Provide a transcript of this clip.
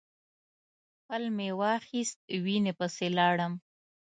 پل مې واخیست وینې پسې لاړم.